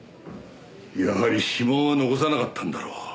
やはり指紋は残さなかったんだろう。